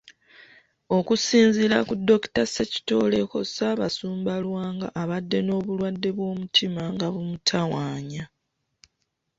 Okusinziira ku Dokita Ssekitooleko, Ssaabasumba Lwanga abadde n'obulwadde bw'omutima nga bumutawaanya.